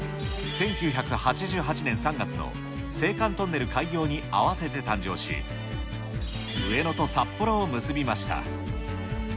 １９８８年３月の青函トンネル開業に合わせて誕生し、上野と札幌を結びました。